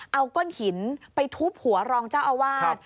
เอาก้อนหินไปทุบหัวรองเจ้าอาวาส